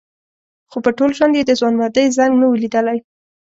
خو په ټول ژوند یې د ځوانمردۍ زنګ نه و لیدلی.